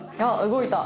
動いた。